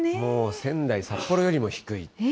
仙台、札幌よりも低い。